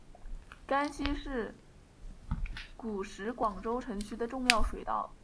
甘溪是古时广州城区的重要水道。